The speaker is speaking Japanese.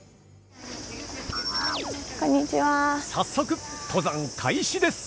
早速登山開始です！